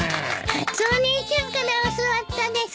カツオお兄ちゃんから教わったです。